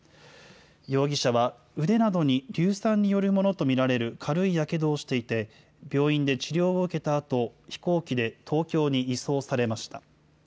容疑者は、腕などに硫酸によるものと見られる軽いやけどをしていて、病院で治療を受けたあと、飛行機で東京に移送されました。